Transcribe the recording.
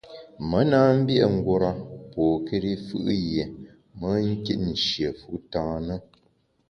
Me na mbié’ ngura pôkéri fù’ yié me nkit nshié fu tâ na.